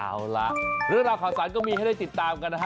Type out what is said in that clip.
เอาล่ะเรื่องราวข่าวสารก็มีให้ได้ติดตามกันนะฮะ